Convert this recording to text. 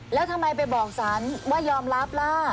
แล้วทำไมไปบอกสารว่ายอมรับล่ะ